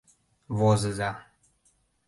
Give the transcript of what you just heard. — Возыза!